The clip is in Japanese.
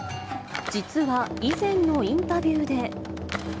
実は、以前のインタビューで。